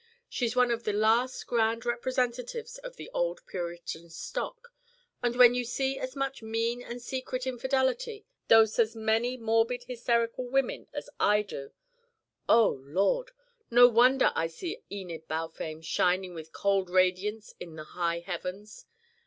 She's one of the last grand representatives of the old Puritan stock and when you see as much mean and secret infidelity, dose as many morbid hysterical women, as I do Oh, Lord! No wonder I see Enid Balfame shining with cold radiance in the high heavens.